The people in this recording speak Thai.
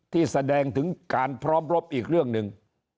ที่แสดงถึงการพร้อมรบอีกเรื่องหนึ่ง